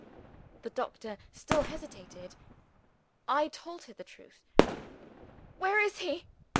The doctor still hesitated. I told her the truth. "Where is he?"